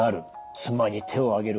妻に手を上げる。